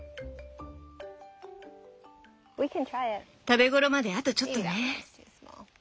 食べ頃まであとちょっとね。